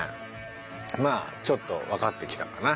まあちょっとわかってきたかな。